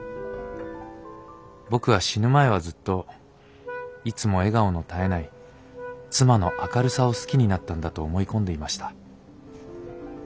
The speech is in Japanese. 僕は死ぬ前はずっといつも笑顔の絶えない妻の明るさを好きになったんだと思い込んでいました。